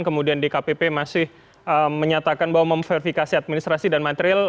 kemudian dkpp masih menyatakan bahwa memverifikasi administrasi dan material